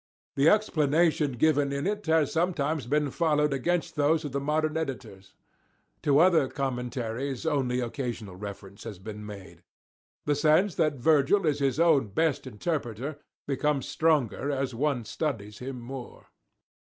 The explanation given in it has sometimes been followed against those of the modern editors. To other commentaries only occasional reference has been made. The sense that Virgil is his own best interpreter becomes stronger as one studies him more.